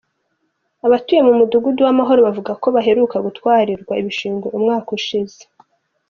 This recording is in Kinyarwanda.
Abatuye mu Mudugudu w’Amahoro bavuga ko baheruka gutwarirwa ibishingwe umwaka ushize.